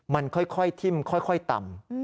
มันค่อยทิ้มค่อยต่ำ